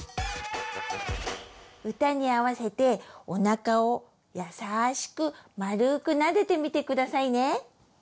歌に合せておなかを優しくまるくなでてみてくださいね！